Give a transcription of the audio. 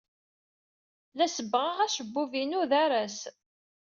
La sebbɣeɣ acebbub-inu d aras.